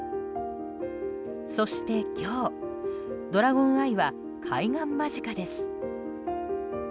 そして今日、ドラゴンアイは開眼間近です。